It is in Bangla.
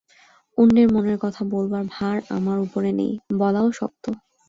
অন্যের মনের কথা বলবার ভার আমার উপরে নেই, বলাও শক্ত।